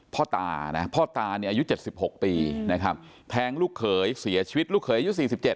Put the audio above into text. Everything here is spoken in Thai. พ่อตาพ่อตาอายุ๗๖ปีแทงลูกเขยเสียชีวิตลูกเขยอายุ๔๗